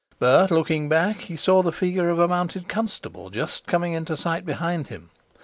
But, looking back, he saw the figure of a mounted constable just coming into sight behind him.